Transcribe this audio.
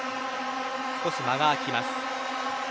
少し間が空きます。